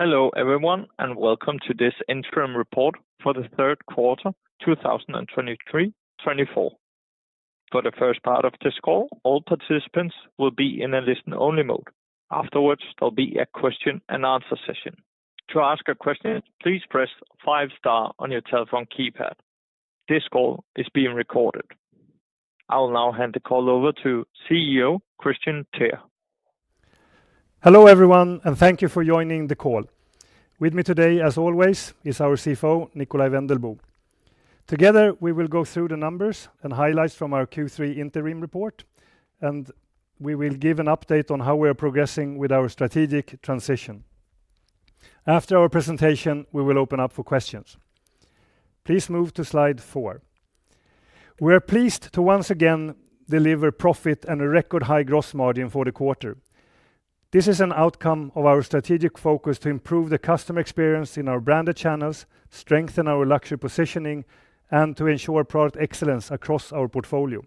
Hello everyone and welcome to this interim report for the third quarter 2023 to 2024. For the first part of this call, all participants will be in a listen-only mode. Afterwards, there'll be a question and answer session. To ask a question, please press five star on your telephone keypad. This call is being recorded. I'll now hand the call over to CEO Kristian Teär. Hello everyone and thank you for joining the call. With me today, as always, is our CFO, Nikolaj Wendelboe. Together, we will go through the numbers and highlights from our Q3 interim report, and we will give an update on how we are progressing with our strategic transition. After our presentation, we will open up for questions. Please move to slide four. We are pleased to once again deliver profit and a record-high gross margin for the quarter. This is an outcome of our strategic focus to improve the customer experience in our branded channels, strengthen our luxury positioning, and to ensure product excellence across our portfolio.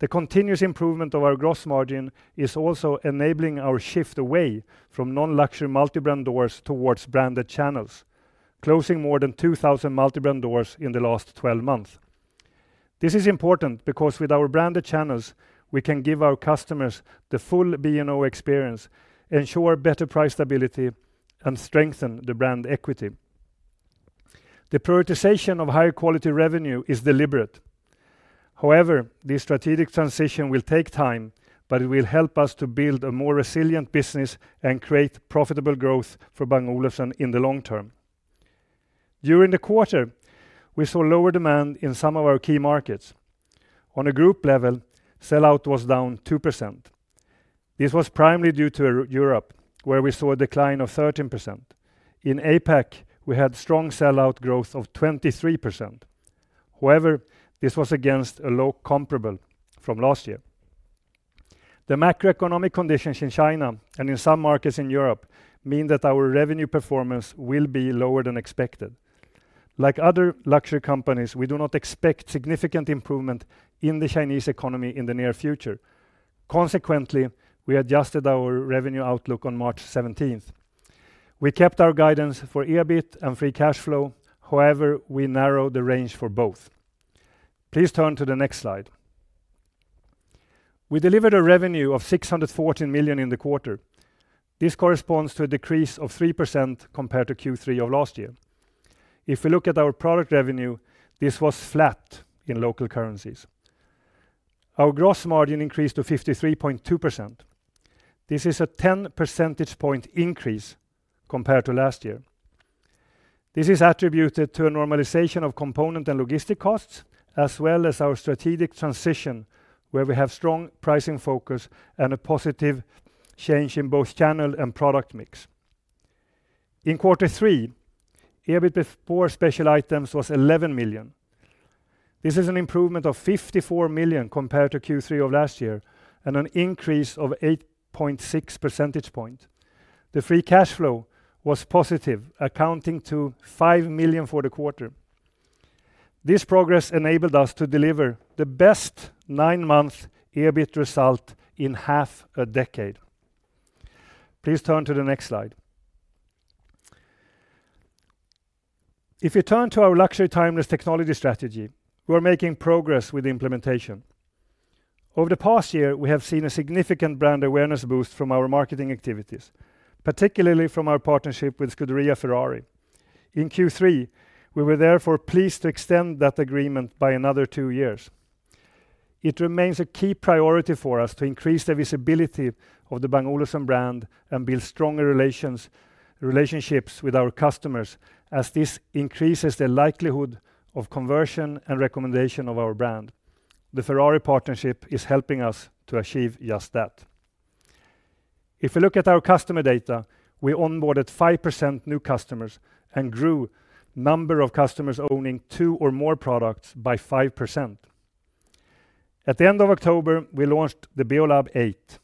The continuous improvement of our gross margin is also enabling our shift away from non-luxury multi-brand doors towards branded channels, closing more than 2,000 multi-brand doors in the last 12 months. This is important because with our branded channels, we can give our customers the full B&O experience, ensure better price stability, and strengthen the brand equity. The prioritization of higher quality revenue is deliberate. However, this strategic transition will take time, but it will help us to build a more resilient business and create profitable growth for Bang & Olufsen in the long term. During the quarter, we saw lower demand in some of our key markets. On a group level, sell-out was down 2%. This was primarily due to Europe, where we saw a decline of 13%. In APAC, we had strong sell-out growth of 23%. However, this was against a low comparable from last year. The macroeconomic conditions in China and in some markets in Europe mean that our revenue performance will be lower than expected. Like other luxury companies, we do not expect significant improvement in the Chinese economy in the near future. Consequently, we adjusted our revenue outlook on March 17th. We kept our guidance for EBIT and free cash flow. However, we narrowed the range for both. Please turn to the next slide. We delivered a revenue of 614 million in the quarter. This corresponds to a decrease of 3% compared to Q3 of last year. If we look at our product revenue, this was flat in local currencies. Our gross margin increased to 53.2%. This is a 10 percentage point increase compared to last year. This is attributed to a normalization of component and logistics costs, as well as our strategic transition, where we have strong pricing focus and a positive change in both channel and product mix. In quarter three, EBIT before special items was 11 million. This is an improvement of 54 million compared to Q3 of last year and an increase of 8.6 percentage points. The free cash flow was positive, accounting to 5 million for the quarter. This progress enabled us to deliver the best nine-month EBIT result in half a decade. Please turn to the next slide. If you turn to our Luxury Timeless Technology strategy, we are making progress with implementation. Over the past year, we have seen a significant brand awareness boost from our marketing activities, particularly from our partnership with Scuderia Ferrari. In Q3, we were therefore pleased to extend that agreement by another two years. It remains a key priority for us to increase the visibility of the Bang & Olufsen brand and build stronger relationships with our customers, as this increases the likelihood of conversion and recommendation of our brand. The Ferrari partnership is helping us to achieve just that. If we look at our customer data, we onboarded 5% new customers and grew the number of customers owning two or more products by 5%. At the end of October, we launched the Beolab 8.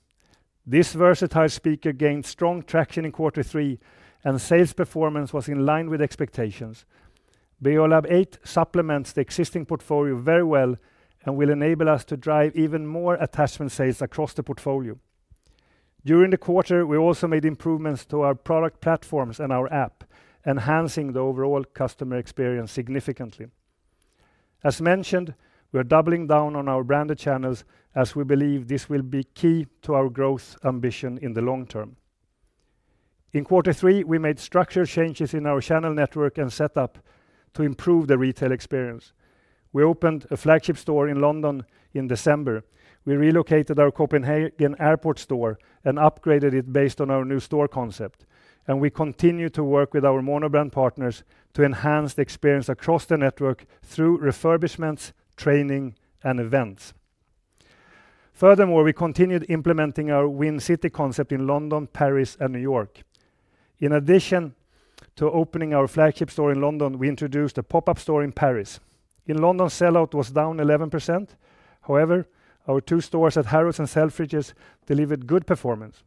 This versatile speaker gained strong traction in quarter three, and sales performance was in line with expectations. Beolab 8 supplements the existing portfolio very well and will enable us to drive even more attachment sales across the portfolio. During the quarter, we also made improvements to our product platforms and our app, enhancing the overall customer experience significantly. As mentioned, we are doubling down on our branded channels, as we believe this will be key to our growth ambition in the long term. In quarter three, we made structural changes in our channel network and setup to improve the retail experience. We opened a flagship store in London in December. We relocated our Copenhagen airport store and upgraded it based on our new store concept. We continue to work with our monobrand partners to enhance the experience across the network through refurbishments, training, and events. Furthermore, we continued implementing our Win City concept in London, Paris, and New York. In addition to opening our flagship store in London, we introduced a pop-up store in Paris. In London, sell-out was down 11%. However, our two stores at Harrods and Selfridges delivered good performance.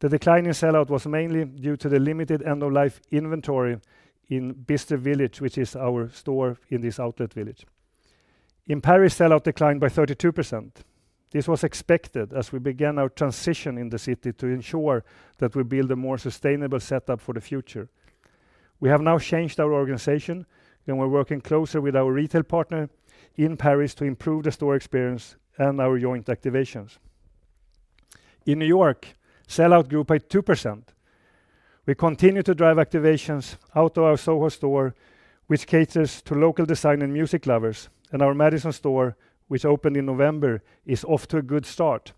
The decline in sell-out was mainly due to the limited end-of-life inventory in Bicester Village, which is our store in this outlet village. In Paris, sell-out declined by 32%. This was expected as we began our transition in the city to ensure that we build a more sustainable setup for the future. We have now changed our organization, and we're working closer with our retail partner in Paris to improve the store experience and our joint activations. In New York, sell-out grew by 2%. We continue to drive activations out of our SoHo store, which caters to local design and music lovers, and our Madison store, which opened in November, is off to a good start.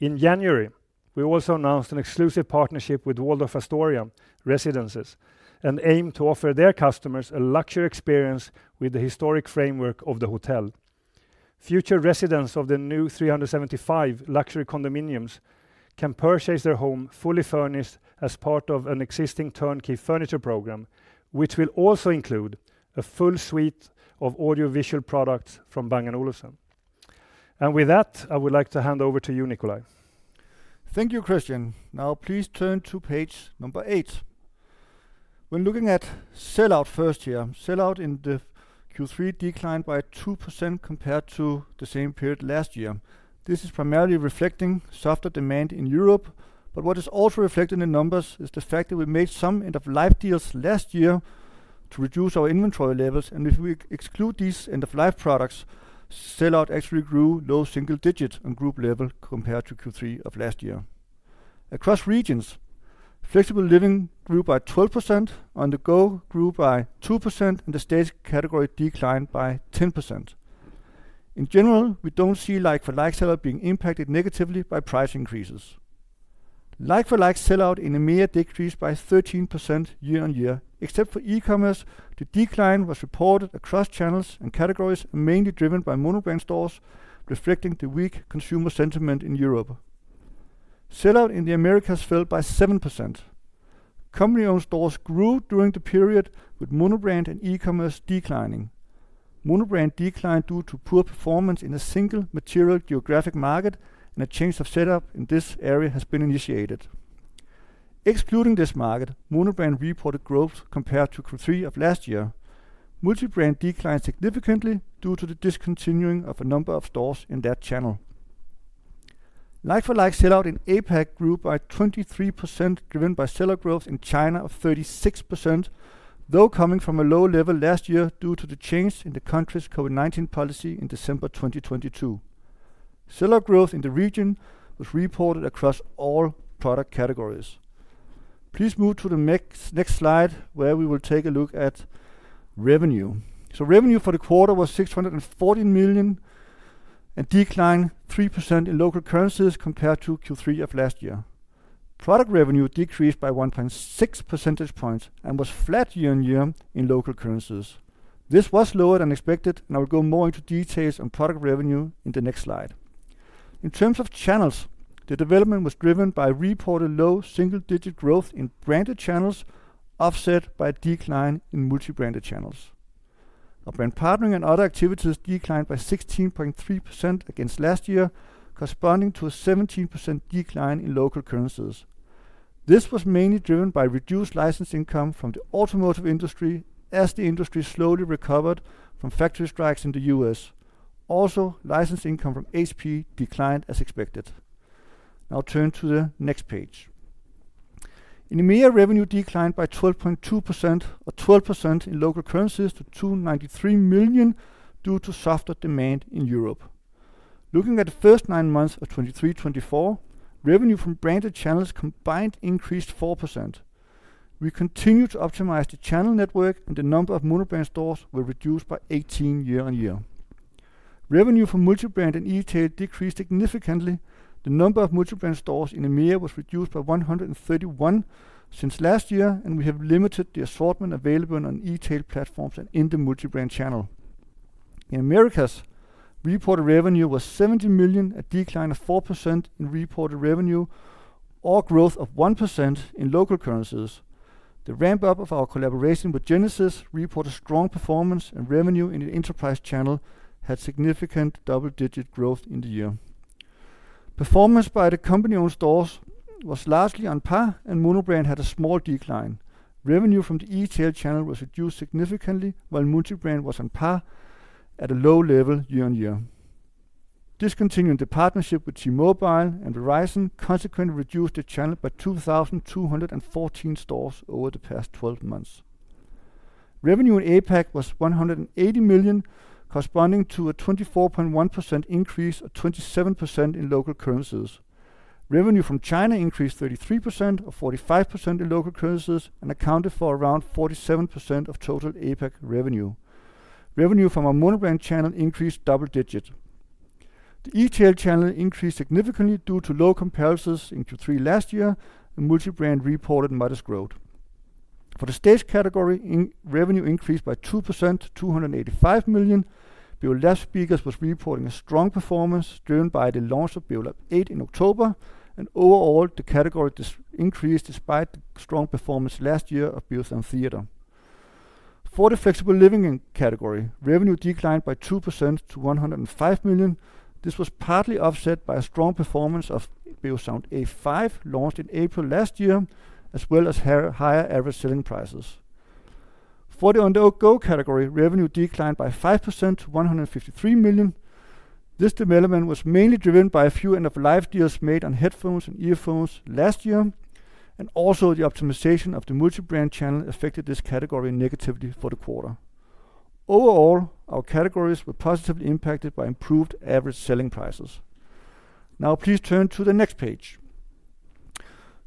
In January, we also announced an exclusive partnership with Waldorf Astoria Residences and aimed to offer their customers a luxury experience with the historic framework of the hotel. Future residents of the new 375 luxury condominiums can purchase their home fully furnished as part of an existing turnkey furniture program, which will also include a full suite of audiovisual products from Bang & Olufsen. With that, I would like to hand over to you, Nikolaj. Thank you, Kristian. Now, please turn to page number 8. When looking at sell-out first year, sell-out in the Q3 declined by 2% compared to the same period last year. This is primarily reflecting softer demand in Europe. But what is also reflected in the numbers is the fact that we made some end-of-life deals last year to reduce our inventory levels. And if we exclude these end-of-life products, sell-out actually grew low single digit on group level compared to Q3 of last year. Across regions, Flexible Living grew by 12%, On-the-go grew by 2%, and the Staged category declined by 10%. In general, we don't see like-for-like sell-out being impacted negatively by price increases. Like-for-like sell-out in EMEA decreased by 13% year-on-year. Except for e-commerce, the decline was reported across channels and categories, mainly driven by monobrand stores, reflecting the weak consumer sentiment in Europe. Sell-out in the Americas fell by 7%. Company-owned stores grew during the period with Monobrand and e-commerce declining. Monobrand declined due to poor performance in a single material geographic market, and a change of setup in this area has been initiated. Excluding this market, Monobrand reported growth compared to Q3 of last year. Multibrand declined significantly due to the discontinuing of a number of stores in that channel. Like-for-like sell-out in APAC grew by 23%, driven by sell-out growth in China of 36%, though coming from a low level last year due to the change in the country's COVID-19 policy in December 2022. Sell-out growth in the region was reported across all product categories. Please move to the next slide, where we will take a look at revenue. Revenue for the quarter was 614 million and declined 3% in local currencies compared to Q3 of last year. Product revenue decreased by 1.6 percentage points and was flat year-on-year in local currencies. This was lower than expected, and I will go more into details on product revenue in the next slide. In terms of channels, the development was driven by reported low single-digit growth in branded channels, offset by a decline in multibrand channels. Our brand partnering and other activities declined by 16.3% against last year, corresponding to a 17% decline in local currencies. This was mainly driven by reduced license income from the automotive industry as the industry slowly recovered from factory strikes in the U.S. Also, license income from HP declined as expected. Now, turn to the next page. EMEA revenue declined by 12.2% or 12% in local currencies to 293 million due to softer demand in Europe. Looking at the first nine months of 2023-2024, revenue from branded channels combined increased 4%. We continue to optimize the channel network, and the number of monobrand stores were reduced by 18 year-on-year. Revenue from multibrand and retail decreased significantly. The number of multibrand stores in EMEA was reduced by 131 since last year, and we have limited the assortment available on retail platforms and in the multibrand channel. In Americas, reported revenue was 70 million, a decline of 4% in reported revenue, or growth of 1% in local currencies. The ramp-up of our collaboration with Genesis, reported strong performance and revenue in the enterprise channel, had significant double-digit growth in the year. Performance by the company-owned stores was largely on par, and monobrand had a small decline. Revenue from the retail channel was reduced significantly, while multibrand was on par at a low level year-on-year. Discontinuing the partnership with T-Mobile and Verizon consequently reduced the channel by 2,214 stores over the past 12 months. Revenue in APAC was 180 million, corresponding to a 24.1% increase or 27% in local currencies. Revenue from China increased 33% or 45% in local currencies and accounted for around 47% of total APAC revenue. Revenue from our monobrand channel increased double-digit. The retail channel increased significantly due to low comparisons in Q3 last year, and multibrand reported modest growth. For the Staged category, revenue increased by 2% to 285 million. Beolab speakers were reporting a strong performance driven by the launch of Beolab 8 in October. Overall, the category increased despite the strong performance last year of Beosound Theatre. For the Flexible Living category, revenue declined by 2% to 105 million. This was partly offset by a strong performance of Beosound A5 launched in April last year, as well as higher average selling prices. For the On-the-go category, revenue declined by 5% to 153 million. This development was mainly driven by a few end-of-life deals made on headphones and earphones last year, and also the optimization of the multibrand channel affected this category negatively for the quarter. Overall, our categories were positively impacted by improved average selling prices. Now, please turn to the next page.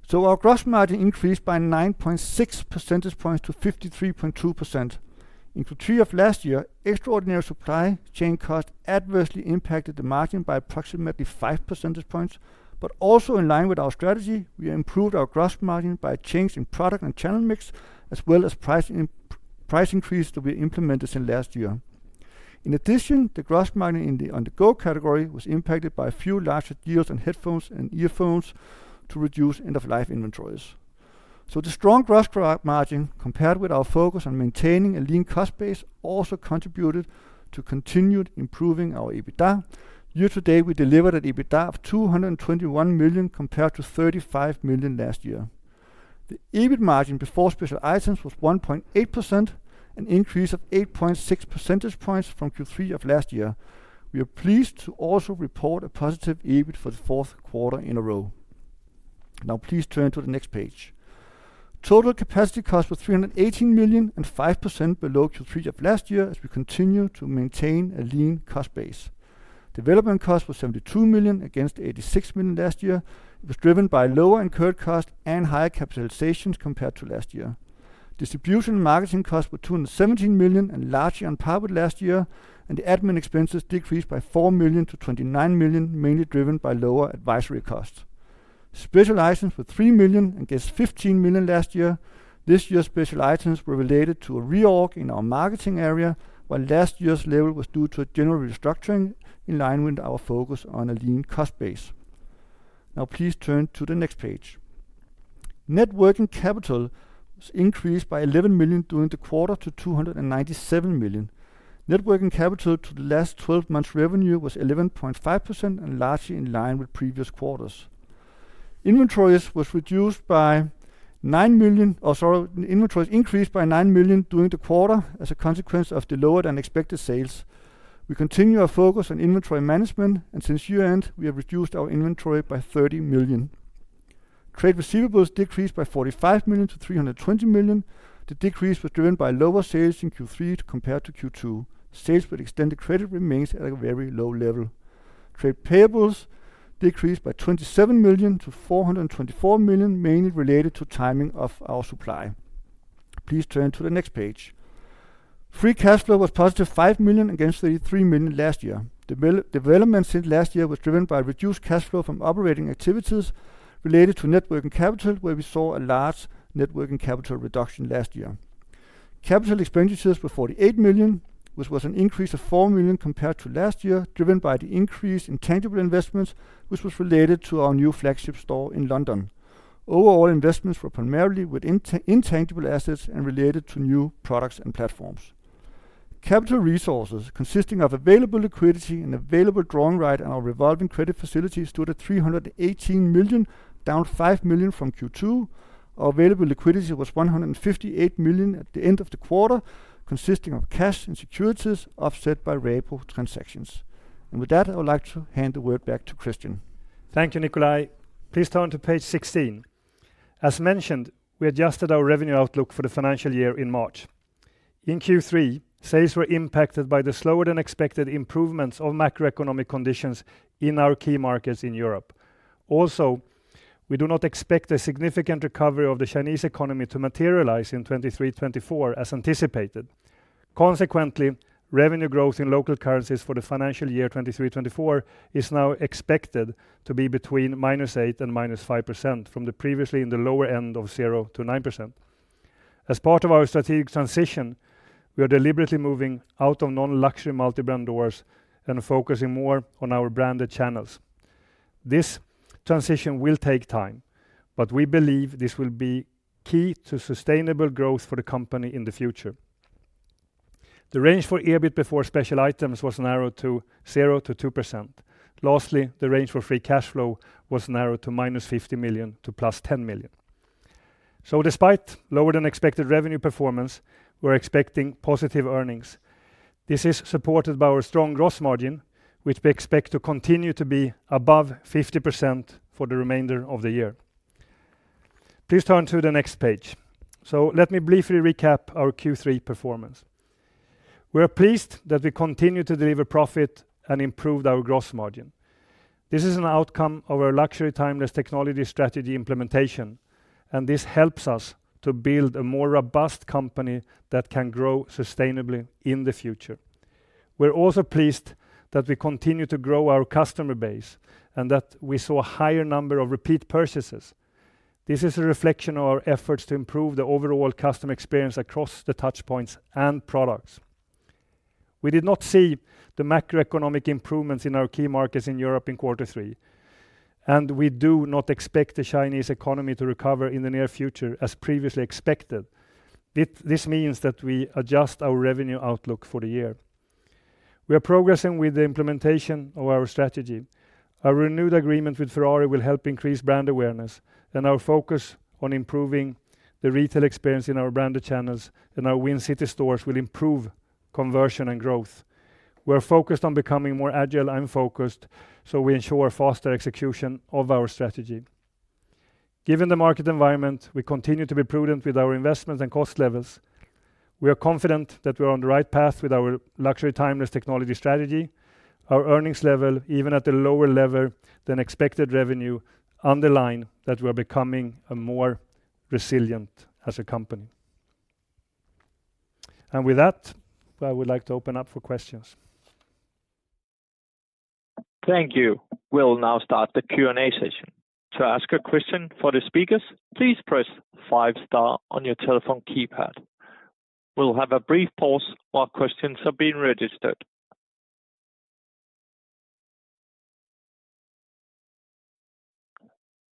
So our gross margin increased by 9.6 percentage points to 53.2%. In Q3 of last year, extraordinary supply chain costs adversely impacted the margin by approximately 5 percentage points, but also in line with our strategy, we improved our gross margin by a change in product and channel mix, as well as price increases that we implemented since last year. In addition, the gross margin in the On-the-go category was impacted by a few larger deals on headphones and earphones to reduce end-of-life inventories. So the strong gross margin compared with our focus on maintaining a lean cost base also contributed to continued improving our EBITDA. Year to date, we delivered an EBITDA of 221 million compared to 35 million last year. The EBIT margin before special items was 1.8%, an increase of 8.6 percentage points from Q3 of last year. We are pleased to also report a positive EBIT for the fourth quarter in a row. Now, please turn to the next page. Total capacity costs were 318 million and 5% below Q3 of last year as we continue to maintain a lean cost base. Development costs were 72 million against 86 million last year. It was driven by lower incurred costs and higher capitalizations compared to last year. Distribution and marketing costs were 217 million and largely on par with last year, and the admin expenses decreased by 4 million to 29 million, mainly driven by lower advisory costs. Special items were 3 million versus 15 million last year. This year, special items were related to a reorg in our marketing area, while last year's level was due to a general restructuring in line with our focus on a lean cost base. Now, please turn to the next page. Net working capital was increased by 11 million during the quarter to 297 million. Net working capital to the last 12 months' revenue was 11.5% and largely in line with previous quarters. Inventories were reduced by 9 million or sorry, inventories increased by 9 million during the quarter as a consequence of the lower than expected sales. We continue our focus on inventory management, and since year-end, we have reduced our inventory by 30 million. Trade receivables decreased by 45 million to 320 million. The decrease was driven by lower sales in Q3 compared to Q2. Sales with extended credit remains at a very low level. Trade payables decreased by 27 million to 424 million, mainly related to timing of our supply. Please turn to the next page. Free cash flow was positive 5 million against 33 million last year. Development since last year was driven by reduced cash flow from operating activities related to working capital, where we saw a large working capital reduction last year. Capital expenditures were 48 million, which was an increase of 4 million compared to last year, driven by the increase in tangible investments, which was related to our new flagship store in London. Overall investments were primarily with intangible assets and related to new products and platforms. Capital resources, consisting of available liquidity and available drawing rights and our revolving credit facilities, stood at 318 million, down 5 million from Q2. Our available liquidity was 158 million at the end of the quarter, consisting of cash and securities offset by repo transactions. With that, I would like to hand the word back to Kristian. Thank you, Nikolaj. Please turn to page 16. As mentioned, we adjusted our revenue outlook for the financial year in March. In Q3, sales were impacted by the slower than expected improvements of macroeconomic conditions in our key markets in Europe. Also, we do not expect a significant recovery of the Chinese economy to materialize in 2023-2024 as anticipated. Consequently, revenue growth in local currencies for the financial year 2023-2024 is now expected to be between -8% and -5% from the previously in the lower end of 0% to 9%. As part of our strategic transition, we are deliberately moving out of non-luxury Multibrand doors and focusing more on our branded channels. This transition will take time, but we believe this will be key to sustainable growth for the company in the future. The range for EBIT before special items was narrowed to 0% to 2%. Lastly, the range for free cash flow was narrowed to -50 million to +10 million. Despite lower than expected revenue performance, we are expecting positive earnings. This is supported by our strong gross margin, which we expect to continue to be above 50% for the remainder of the year. Please turn to the next page. Let me briefly recap our Q3 performance. We are pleased that we continue to deliver profit and improved our gross margin. This is an outcome of our Luxury Timeless Technology strategy implementation, and this helps us to build a more robust company that can grow sustainably in the future. We're also pleased that we continue to grow our customer base and that we saw a higher number of repeat purchases. This is a reflection of our efforts to improve the overall customer experience across the touchpoints and products. We did not see the macroeconomic improvements in our key markets in Europe in quarter three, and we do not expect the Chinese economy to recover in the near future as previously expected. This means that we adjust our revenue outlook for the year. We are progressing with the implementation of our strategy. Our renewed agreement with Ferrari will help increase brand awareness, and our focus on improving the retail experience in our branded channels and our Win City stores will improve conversion and growth. We are focused on becoming more agile and focused so we ensure faster execution of our strategy. Given the market environment, we continue to be prudent with our investments and cost levels. We are confident that we are on the right path with our Luxury Timeless Technology strategy. Our earnings level, even at the lower level than expected revenue, underline that we are becoming more resilient as a company. With that, I would like to open up for questions. Thank you. We'll now start the Q&A session. To ask a question for the speakers, please press five-star on your telephone keypad. We'll have a brief pause while questions are being registered.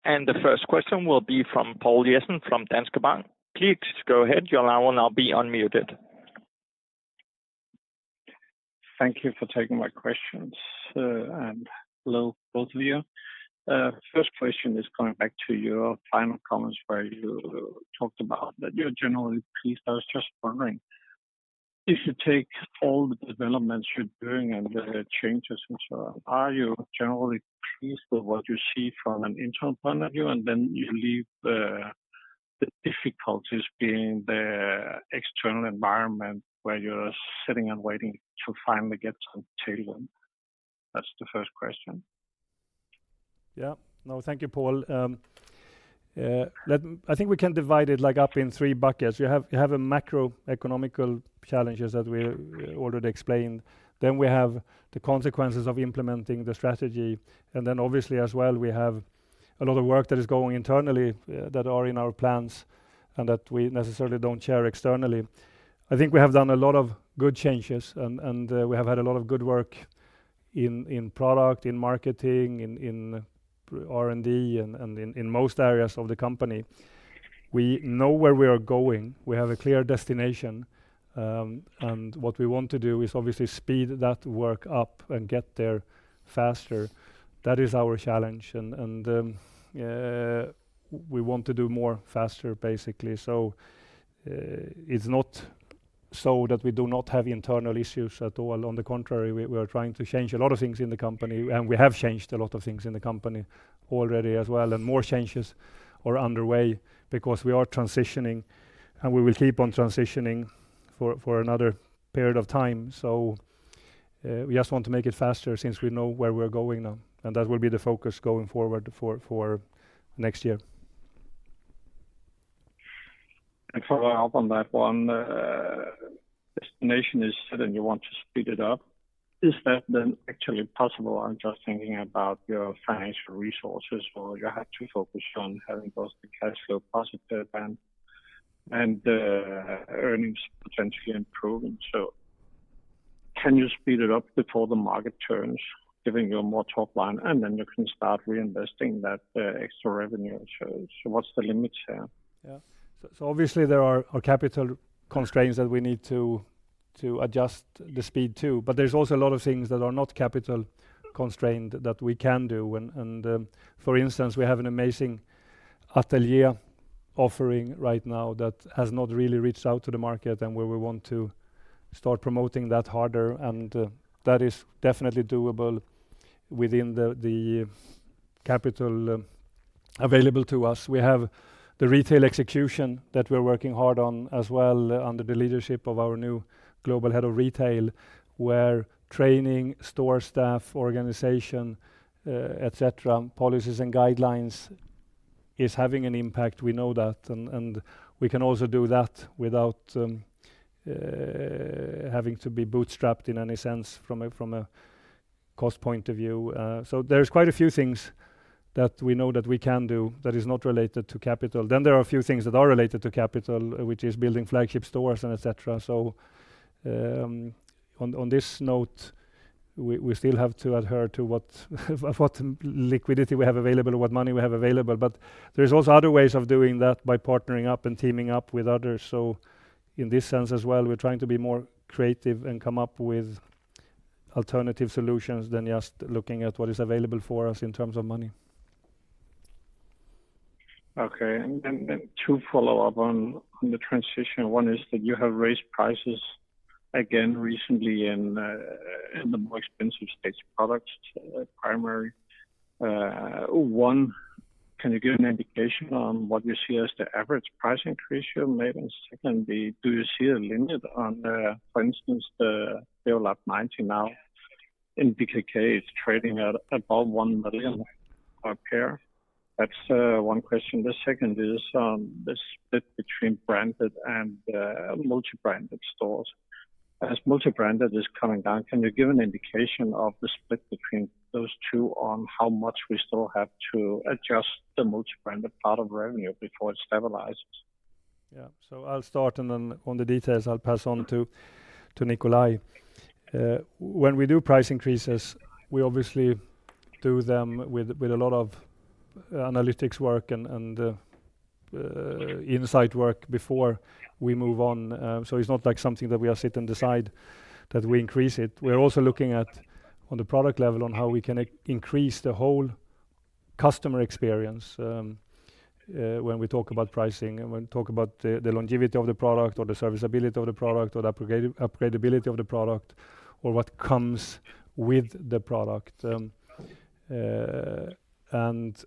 The first question will be from Poul Jessen from Danske Bank. Please go ahead. Your line will now be unmuted. Thank you for taking my questions, both of you. First question is going back to your final comments where you talked about that you're generally pleased. I was just wondering, if you take all the developments you're doing and the changes and so on, are you generally pleased with what you see from an internal point of view, and then you leave the difficulties being the external environment where you're sitting and waiting to finally get something tailored? That's the first question. Yeah. No, thank you, Poul. I think we can divide it up in three buckets. You have the macroeconomic challenges that we already explained. Then we have the consequences of implementing the strategy. And then obviously, as well, we have a lot of work that is going internally that are in our plans and that we necessarily don't share externally. I think we have done a lot of good changes, and we have had a lot of good work in product, in marketing, in R&D, and in most areas of the company. We know where we are going. We have a clear destination. And what we want to do is obviously speed that work up and get there faster. That is our challenge. And we want to do more faster, basically. So it's not so that we do not have internal issues at all. On the contrary, we are trying to change a lot of things in the company, and we have changed a lot of things in the company already as well. And more changes are underway because we are transitioning, and we will keep on transitioning for another period of time. So we just want to make it faster since we know where we're going now. And that will be the focus going forward for next year. For that one, destination is set and you want to speed it up. Is that then actually possible? I'm just thinking about your financial resources where you had to focus on having both the cash flow positive and earnings potentially improving. Can you speed it up before the market turns, giving you a more top line, and then you can start reinvesting that extra revenue? What's the limits here? Yeah. So obviously, there are capital constraints that we need to adjust the speed to. But there's also a lot of things that are not capital constrained that we can do. And for instance, we have an amazing Atelier offering right now that has not really reached out to the market and where we want to start promoting that harder. And that is definitely doable within the capital available to us. We have the retail execution that we're working hard on as well under the leadership of our new global head of retail, where training store staff, organization, etc., policies and guidelines is having an impact. We know that. And we can also do that without having to be bootstrapped in any sense from a cost point of view. So there's quite a few things that we know that we can do that is not related to capital. Then there are a few things that are related to capital, which is building flagship stores and etc. So on this note, we still have to adhere to what liquidity we have available or what money we have available. But there's also other ways of doing that by partnering up and teaming up with others. So in this sense as well, we're trying to be more creative and come up with alternative solutions than just looking at what is available for us in terms of money. Okay. And then two follow-up on the transition. One is that you have raised prices again recently in the more expensive Staged products, primarily. One, can you give an indication on what you see as the average price increase you've made? And secondly, do you see a limit on, for instance, the Beolab 90 now? In DKK, it's trading at about 1 million per pair. That's one question. The second is the split between branded and multibranded stores. As multibranded is coming down, can you give an indication of the split between those two on how much we still have to adjust the multibranded part of revenue before it stabilizes? Yeah. So I'll start, and then on the details, I'll pass on to Nikolaj. When we do price increases, we obviously do them with a lot of analytics work and insight work before we move on. So it's not something that we are sitting and decide that we increase it. We're also looking at, on the product level, on how we can increase the whole customer experience when we talk about pricing and when we talk about the longevity of the product or the serviceability of the product or the upgradability of the product or what comes with the product. And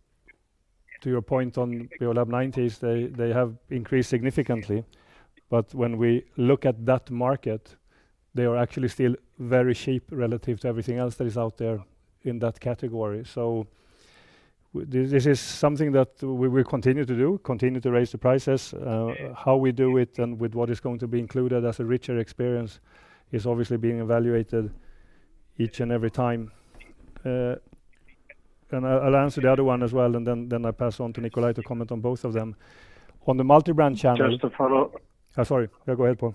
to your point on Beolab 90s, they have increased significantly. But when we look at that market, they are actually still very cheap relative to everything else that is out there in that category. So this is something that we continue to do, continue to raise the prices. How we do it and with what is going to be included as a richer experience is obviously being evaluated each and every time. I'll answer the other one as well, and then I'll pass on to Nikolaj to comment on both of them. On the Multibrand channel. Just to follow up. Sorry. Yeah, go ahead, Poul.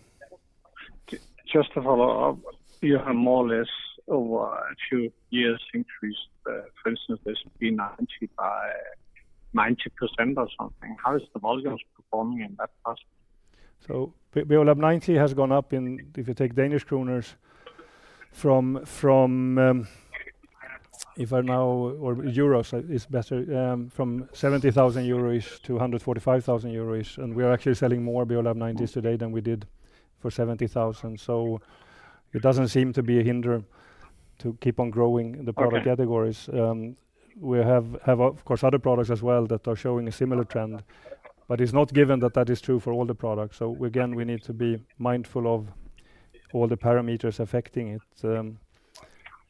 Just to follow up, you have more or less a few years increased, for instance, this Beolab 90 by 90% or something. How is the volume performing in that part? So Beolab 90 has gone up in, if you take Danish kroner, from if I now or euros, it's better, from 70,000 euros to 145,000 euros. And we are actually selling more Beolab 90s today than we did for 70,000. So it doesn't seem to be a hindrance to keep on growing the product categories. We have, of course, other products as well that are showing a similar trend. But it's not given that that is true for all the products. So again, we need to be mindful of all the parameters affecting it.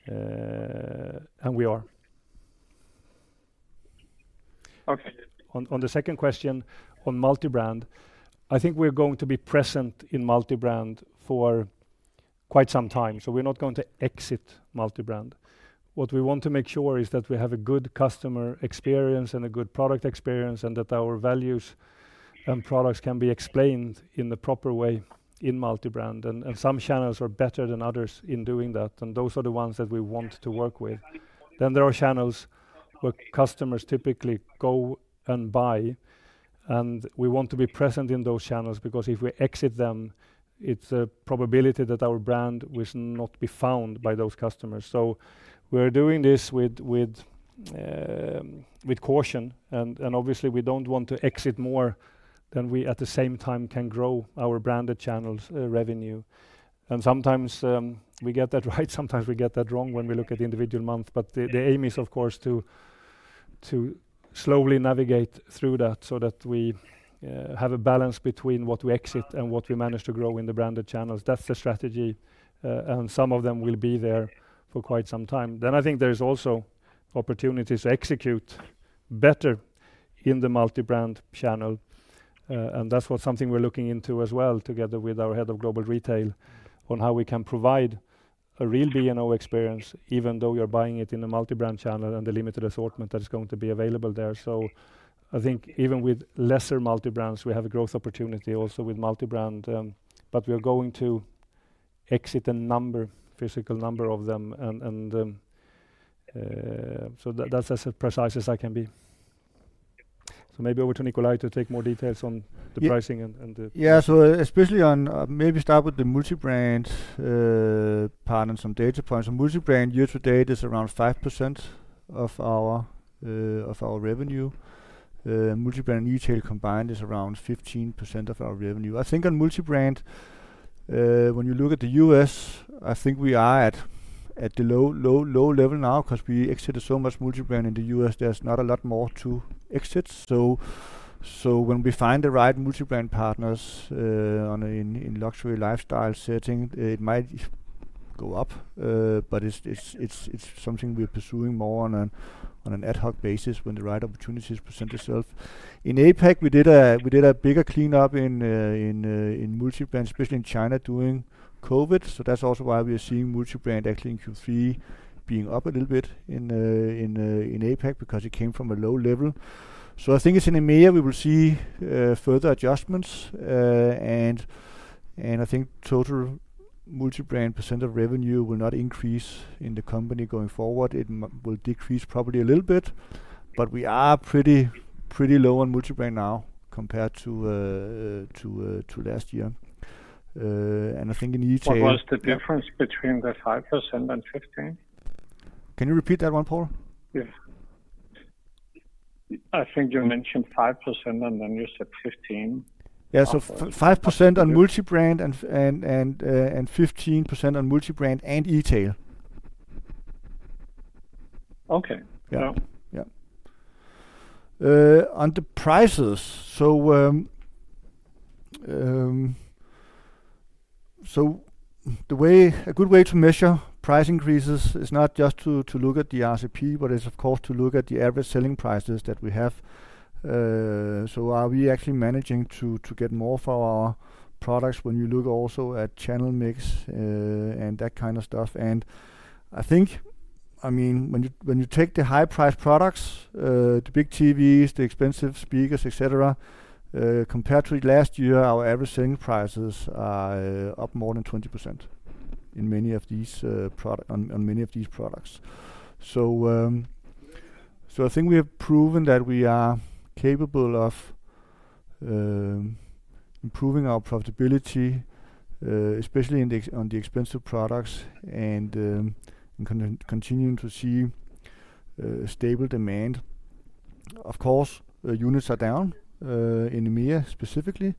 And we are. Okay. On the second question, on Multibrand, I think we're going to be present in Multibrand for quite some time. We're not going to exit Multibrand. What we want to make sure is that we have a good customer experience and a good product experience and that our values and products can be explained in the proper way in Multibrand. Some channels are better than others in doing that. Those are the ones that we want to work with. There are channels where customers typically go and buy. We want to be present in those channels because if we exit them, it's a probability that our brand will not be found by those customers. We're doing this with caution. Obviously, we don't want to exit more than we, at the same time, can grow our branded channels' revenue. Sometimes we get that right. Sometimes we get that wrong when we look at individual months. But the aim is, of course, to slowly navigate through that so that we have a balance between what we exit and what we manage to grow in the branded channels. That's the strategy. And some of them will be there for quite some time. Then I think there's also opportunities to execute better in the Multibrand channel. And that's something we're looking into as well together with our head of global retail on how we can provide a real B&O experience, even though you're buying it in the Multibrand channel and the limited assortment that is going to be available there. So I think even with lesser multibrands, we have a growth opportunity also with multibrand. But we are going to exit a number, physical number of them. And so that's as precise as I can be. So, maybe over to Nikolaj to take more details on the pricing and the. Yeah. So, especially on, maybe start with the Multibrand part and some data points. So, Multibrand, year-to-date, is around 5% of our revenue. Multibrand and retail combined is around 15% of our revenue. I think on Multibrand, when you look at the U.S., I think we are at the low level now because we exited so much Multibrand in the U.S. There is not a lot more to exit. So, when we find the right Multibrand partners in luxury lifestyle setting, it might go up. But it is something we are pursuing more on an ad hoc basis when the right opportunities present themselves. In APAC, we did a bigger cleanup in Multibrand, especially in China during COVID. So that's also why we are seeing multibrand actually in Q3 being up a little bit in APAC because it came from a low level. So I think in a year we will see further adjustments. And I think total multibrand percent of revenue will not increase in the company going forward. It will decrease probably a little bit. But we are pretty low on multibrand now compared to last year. And I think in retail. What was the difference between the 5% and 15%? Can you repeat that one, Poul? Yeah. I think you mentioned 5%, and then you said 15%. Yeah. So 5% on multibrand and 15% on multibrand and retail. Okay. Yeah. On the prices, so a good way to measure price increases is not just to look at the RRP, but it's, of course, to look at the average selling prices that we have. So are we actually managing to get more for our products when you look also at channel mix and that kind of stuff? And I think, I mean, when you take the high-priced products, the big TVs, the expensive speakers, etc., compared to last year, our average selling prices are up more than 20% on many of these products. So I think we have proven that we are capable of improving our profitability, especially on the expensive products, and continuing to see stable demand. Of course, units are down in EMEA specifically.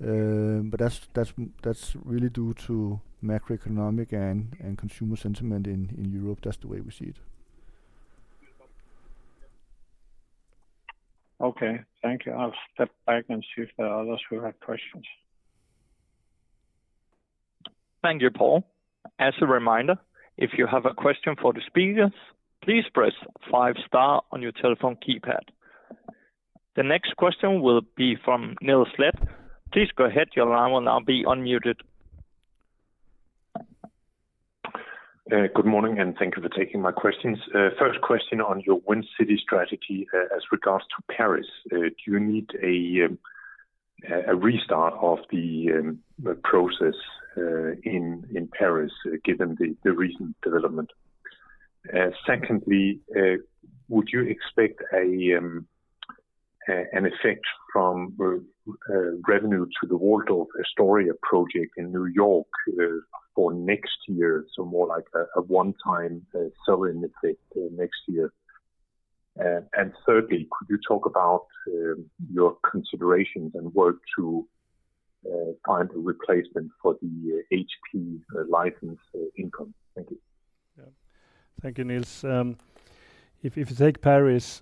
But that's really due to macroeconomic and consumer sentiment in Europe. That's the way we see it. Okay. Thank you. I'll step back and see if there are others who have questions. Thank you, Poul. As a reminder, if you have a question for the speakers, please press five-star on your telephone keypad. The next question will be from Niels Leth. Please go ahead. Your line will now be unmuted. Good morning, and thank you for taking my questions. First question on your Win City strategy as regards to Paris. Do you need a restart of the process in Paris given the recent development? Secondly, would you expect an effect from revenue to the Waldorf Astoria project in New York for next year, so more like a one-time sell-in effect next year? And thirdly, could you talk about your considerations and work to find a replacement for the HP license income? Thank you. Yeah. Thank you, Niels. If you take Paris,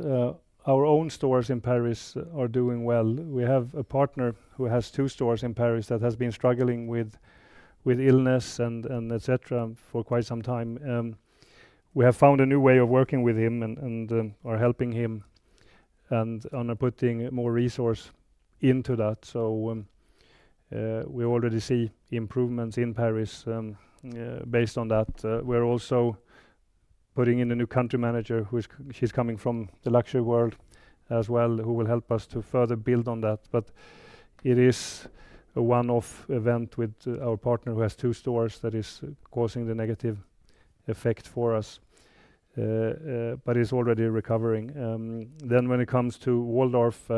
our own stores in Paris are doing well. We have a partner who has two stores in Paris that has been struggling with illness, etc., for quite some time. We have found a new way of working with him and are helping him and are putting more resource into that. So we already see improvements in Paris based on that. We're also putting in a new country manager. She's coming from the luxury world as well, who will help us to further build on that. But it is a one-off event with our partner who has two stores that is causing the negative effect for us, but is already recovering. Then when it comes to Waldorf,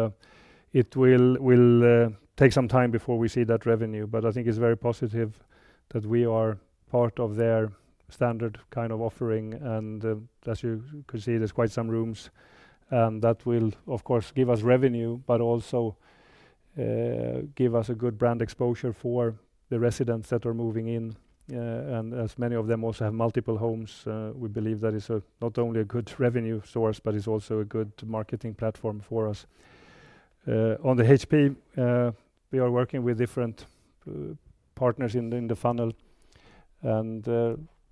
it will take some time before we see that revenue. But I think it's very positive that we are part of their standard kind of offering. As you could see, there's quite some rooms. That will, of course, give us revenue but also give us a good brand exposure for the residents that are moving in. As many of them also have multiple homes, we believe that is not only a good revenue source, but it's also a good marketing platform for us. On the HP, we are working with different partners in the funnel.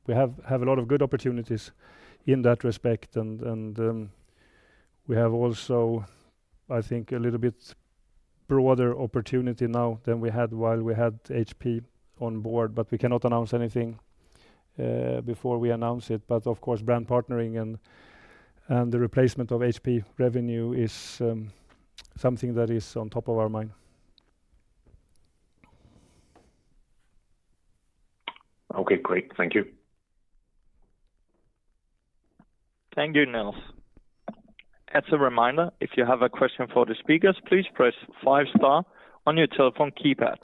We have a lot of good opportunities in that respect. We have also, I think, a little bit broader opportunity now than we had while we had HP on board. We cannot announce anything before we announce it. Of course, brand partnering and the replacement of HP revenue is something that is on top of our mind. Okay. Great. Thank you. Thank you, Niels. As a reminder, if you have a question for the speakers, please press five star on your telephone keypad.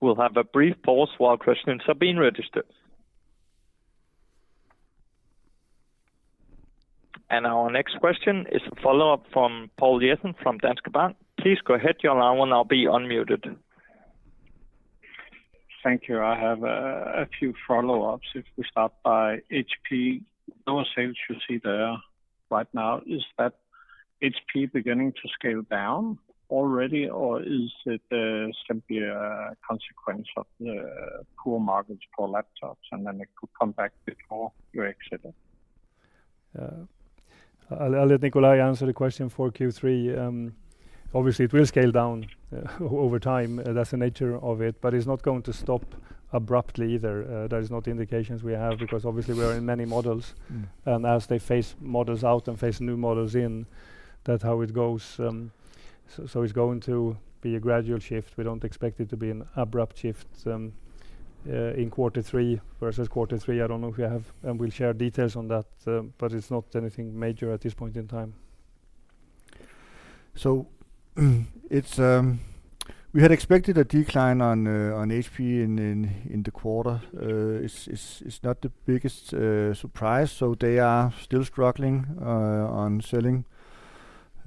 We'll have a brief pause while questions have been registered. Our next question is a follow-up from Poul Jessen from Danske Bank. Please go ahead. Your line will now be unmuted. Thank you. I have a few follow-ups. If we start by HP, no sales you see there right now. Is that HP beginning to scale down already, or is it simply a consequence of the poor market for laptops? And then it could come back before you exited. Yeah. I'll let Nikolaj answer the question for Q3. Obviously, it will scale down over time. That's the nature of it. But it's not going to stop abruptly either. There are no indications we have because obviously, we are in many models. And as they phase models out and phase new models in, that's how it goes. So it's going to be a gradual shift. We don't expect it to be an abrupt shift in quarter three versus quarter three. I don't know if we have and we'll share details on that. But it's not anything major at this point in time. We had expected a decline on HP in the quarter. It's not the biggest surprise. They are still struggling on selling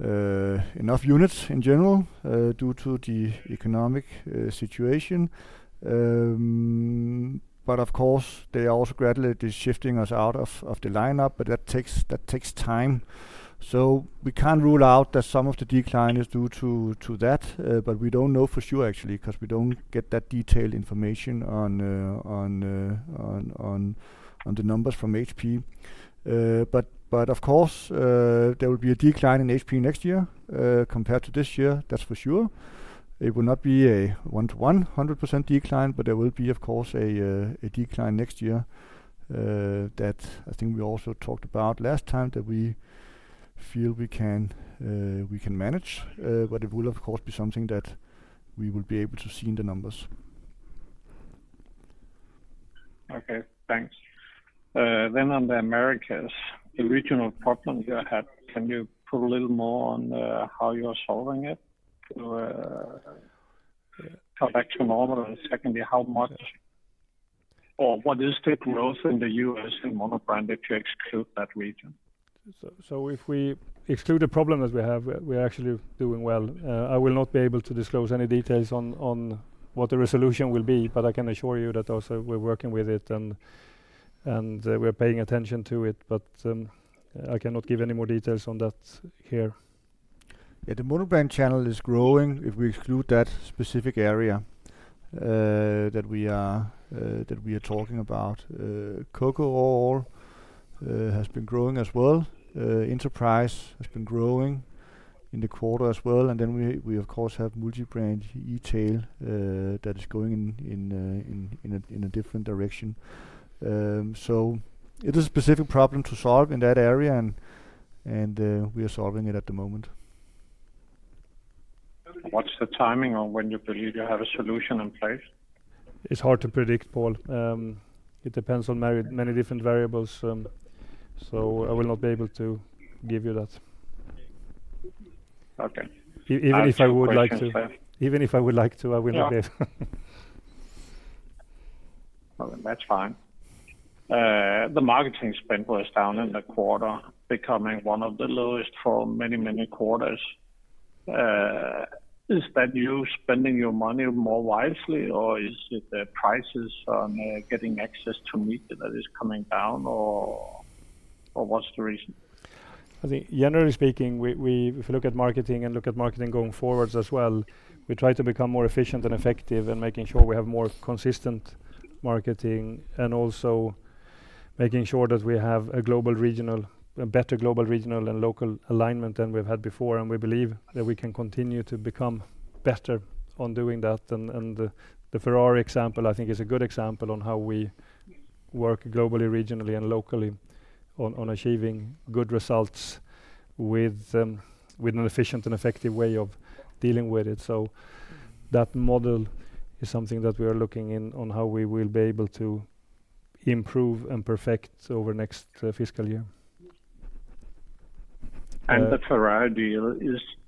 enough units in general due to the economic situation. Of course, they are also gradually shifting us out of the lineup. That takes time. We can't rule out that some of the decline is due to that. We don't know for sure, actually, because we don't get that detailed information on the numbers from HP. Of course, there will be a decline in HP next year compared to this year. That's for sure. It will not be a 1:1, 100% decline. There will be, of course, a decline next year that I think we also talked about last time that we feel we can manage. But it will, of course, be something that we will be able to see in the numbers. Okay. Thanks. Then on the Americas, the regional problem you had, can you put a little more on how you are solving it to come back to normal? And secondly, how much or what is the growth in the U.S. in monobrand if you exclude that region? If we exclude the problem that we have, we are actually doing well. I will not be able to disclose any details on what the resolution will be. But I can assure you that also we're working with it, and we're paying attention to it. But I cannot give any more details on that here. Yeah. The Monobrand channel is growing if we exclude that specific area that we are talking about. Korea has been growing as well. Enterprise has been growing in the quarter as well. And then we, of course, have Multibrand retail that is going in a different direction. So it is a specific problem to solve in that area. And we are solving it at the moment. What's the timing on when you believe you have a solution in place? It's hard to predict, Poul. It depends on many different variables. So I will not be able to give you that. Even if I would like to. Even if I would like to, I will not be able. That's fine. The marketing spend was down in the quarter, becoming one of the lowest for many, many quarters. Is that you spending your money more wisely, or is it the prices on getting access to media that is coming down, or what's the reason? I think, generally speaking, if we look at marketing and look at marketing going forwards as well, we try to become more efficient and effective in making sure we have more consistent marketing and also making sure that we have a better global, regional, and local alignment than we've had before. We believe that we can continue to become better on doing that. The Ferrari example, I think, is a good example on how we work globally, regionally, and locally on achieving good results with an efficient and effective way of dealing with it. That model is something that we are looking in on how we will be able to improve and perfect over next fiscal year. The Ferrari deal,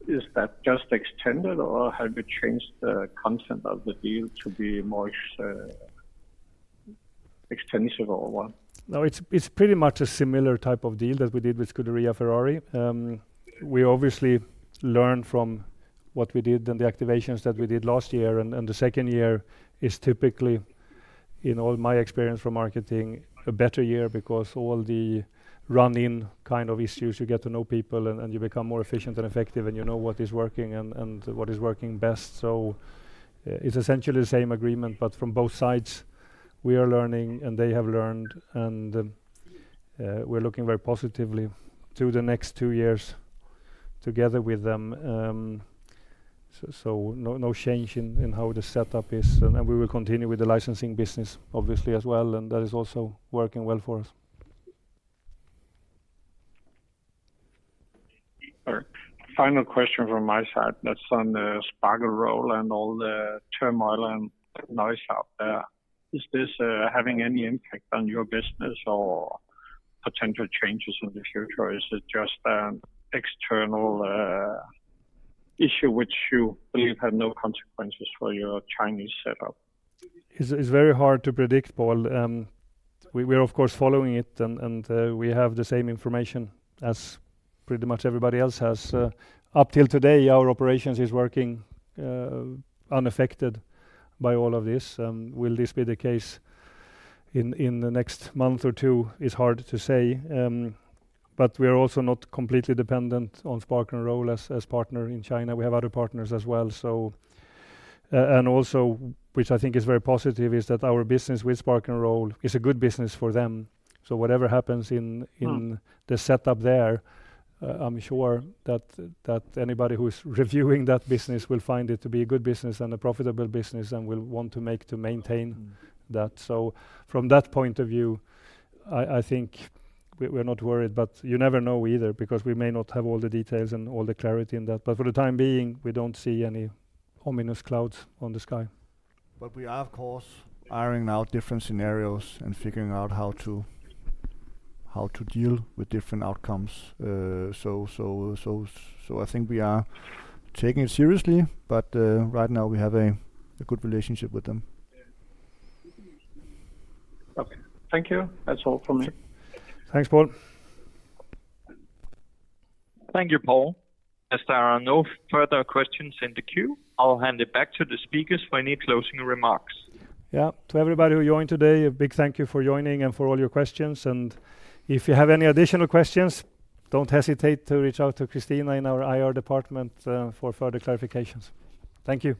is that just extended, or have you changed the content of the deal to be more extensive or what? No, it's pretty much a similar type of deal that we did with Scuderia Ferrari. We obviously learned from what we did and the activations that we did last year. The second year is typically, in all my experience from marketing, a better year because all the run-in kind of issues, you get to know people, and you become more efficient and effective, and you know what is working and what is working best. It's essentially the same agreement. But from both sides, we are learning, and they have learned. We're looking very positively to the next two years together with them. No change in how the setup is. We will continue with the licensing business, obviously, as well. That is also working well for us. Final question from my side. That's on the Sparkle Roll and all the turmoil and noise out there. Is this having any impact on your business or potential changes in the future? Is it just an external issue which you believe had no consequences for your Chinese setup? It's very hard to predict, Poul. We are, of course, following it. We have the same information as pretty much everybody else has. Up till today, our operations are working unaffected by all of this. Will this be the case in the next month or two is hard to say. We are also not completely dependent on Sparkle Roll as partner in China. We have other partners as well. Also, which I think is very positive, is that our business with Sparkle Roll is a good business for them. Whatever happens in the setup there, I'm sure that anybody who is reviewing that business will find it to be a good business and a profitable business and will want to make to maintain that. From that point of view, I think we're not worried. But you never know either because we may not have all the details and all the clarity in that. But for the time being, we don't see any ominous clouds on the sky. But we are, of course, ironing out different scenarios and figuring out how to deal with different outcomes. So I think we are taking it seriously. But right now, we have a good relationship with them. Okay. Thank you. That's all from me. Thanks, Poul. Thank you, Poul. As there are no further questions in the queue, I'll hand it back to the speakers for any closing remarks. Yeah. To everybody who joined today, a big thank you for joining and for all your questions. If you have any additional questions, don't hesitate to reach out to Cristina in our IR department for further clarifications. Thank you.